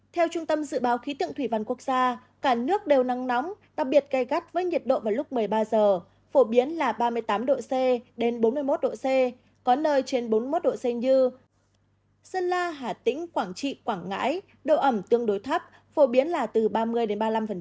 theo trung tâm dự báo khí tượng thủy văn quốc gia cả nước đều nắng nóng đặc biệt gây gắt với nhiệt độ vào lúc một mươi ba h phổ biến là ba mươi tám độ c đến bốn mươi một độ c có nơi trên bốn mươi một độ c như sơn la hà tĩnh quảng trị quảng ngãi độ ẩm tương đối thấp phổ biến là từ ba mươi đến ba mươi năm